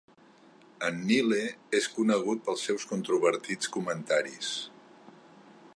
En Nile és conegut pels seus controvertits comentaris.